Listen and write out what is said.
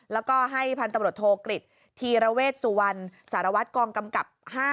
แล้วก็ให้พันธุ์ตำรวจโทกฤษธีระเวชสุวรรณสารวัตรกองกำกับ๕